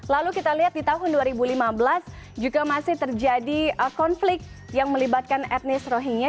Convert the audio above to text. lalu kita lihat di tahun dua ribu lima belas juga masih terjadi konflik yang melibatkan etnis rohingya